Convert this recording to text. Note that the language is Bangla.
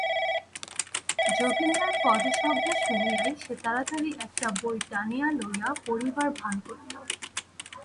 যোগেন্দ্রের পদশব্দ শুনিয়াই সে তাড়াতাড়ি একটা বই টানিয়া লইয়া পড়িবার ভান করিল।